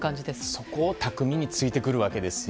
そこを巧みに突いてくるわけですよ。